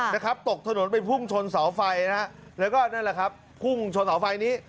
นะครับตกถนนไปพุ่งชนเสาไฟนะฮะแล้วก็นั่นแหละครับพุ่งชนเสาไฟนี้